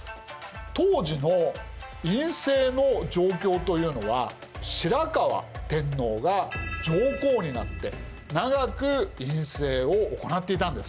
当時の院政の状況というのは白河天皇が上皇になって長く院政を行っていたんです。